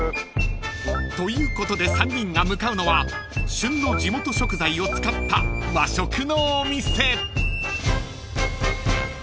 ［ということで３人が向かうのは旬の地元食材を使った和食のお店］